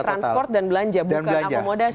transport dan belanja bukan akomodasi